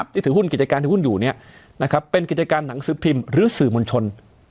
ที่ถือหุ้นกิจการที่หุ้นอยู่เนี่ยนะครับเป็นกิจการหนังสืบพิมพ์หรือสื่อมนชน